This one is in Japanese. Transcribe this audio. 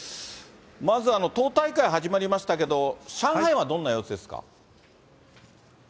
まず、党大会始まりましたけど、上海はどんな様子ですか。